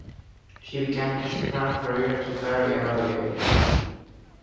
She began her soprano career at a very early age.